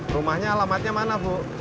rumahnya alamatnya mana bu